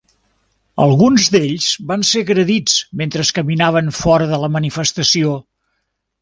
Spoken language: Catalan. Alguns d'ells van ser agredits mentre caminaven fora de la manifestació.